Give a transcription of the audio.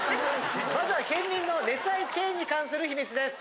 まずは県民の熱愛チェーンに関する秘密です。